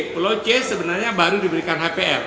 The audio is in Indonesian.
pulau c sebenarnya baru diberikan hpr